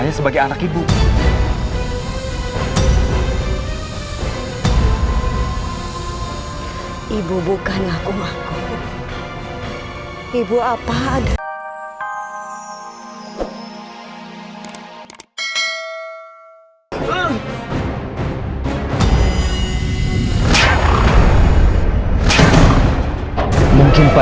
masih ada nadinya masih ada nadinya